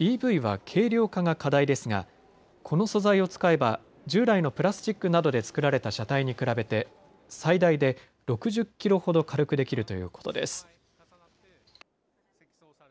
ＥＶは軽量化が課題ですがこの素材を使えば従来のプラスチックなどで作られた車体に比べて最大で６０キロほど軽くできるということです。